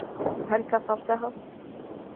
هل كسرتها؟